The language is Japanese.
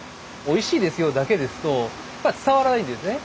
「おいしいですよ」だけですとやっぱ伝わらないんですね。